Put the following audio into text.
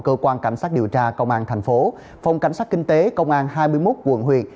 cơ quan cảnh sát điều tra công an tp phòng cảnh sát kinh tế công an hai mươi một quận huyệt